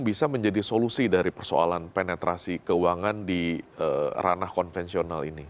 bisa menjadi solusi dari persoalan penetrasi keuangan di ranah konvensional ini